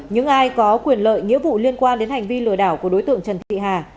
những ai có quyền lợi nghĩa vụ liên quan đến hành vi lừa đảo của đối tượng trần thị hà